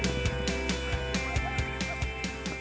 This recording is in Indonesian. jadi kita bisa menikmati waktu itu dengan berhenti dan berhenti